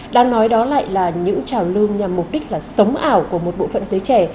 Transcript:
đang nói đó lại là những trào lưu nhằm mục đích là sống ảo của một bộ phận giới trẻ